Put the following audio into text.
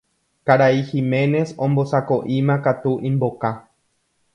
Karai Giménez ombosako'íma katu imboka.